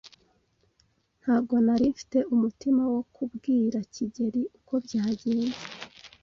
Ntabwo nari mfite umutima wo kubwira kigeli uko byagenze.